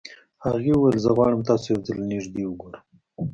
هغې وويل زه غواړم تاسو يو ځل له نږدې وګورم.